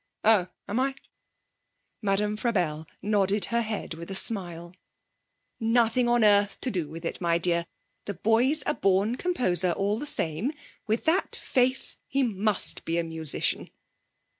'Oh, am I?' Madame Frabelle nodded her head with a smile. 'Nothing on earth to do with it, my dear! The boy's a born composer all the same. With that face he must be a musician!'